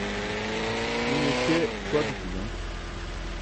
ine śe ṣuaṭ eću bom